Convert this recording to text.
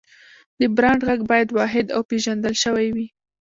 د برانډ غږ باید واحد او پېژندل شوی وي.